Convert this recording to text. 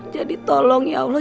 jadi tolong ya allah